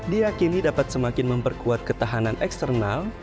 diakini dapat semakin memperkuat ketahanan eksternal